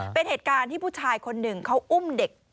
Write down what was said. เป็นเหตุการณ์ที่ผู้ชายคนหนึ่งเขาอุ้มเด็ก